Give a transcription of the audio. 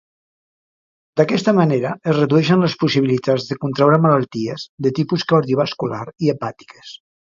D'aquesta manera es redueixen les possibilitats de contraure malalties de tipus cardiovascular i hepàtiques.